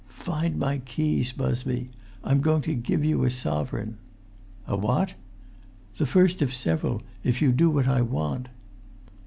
"Find my keys, Busby. I'm going to give you a sovereign——" "A what?" "The first of several if you do what I want!"